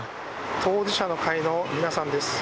当事者の会の皆さんです。